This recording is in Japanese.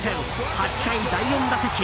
８回、第４打席。